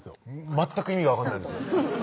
全く意味が分かんないです